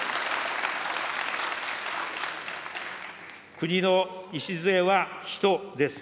国の礎は人です。